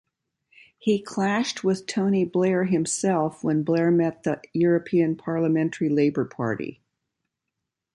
He clashed with Tony Blair himself when Blair met the European Parliamentary Labour Party.